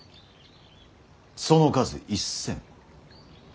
その数１，０００。